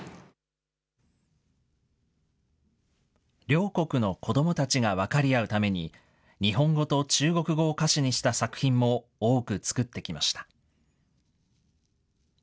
両国の子どもたちが分かり合うために、日本語と中国語を歌詞にした作品も多く作ってきました。